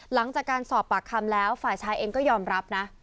หลังจากการสอบปากคำแล้วฝ่ายชายเองก็ยอมรับนะ